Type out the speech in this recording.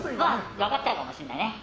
分かっちゃうかもしれないね。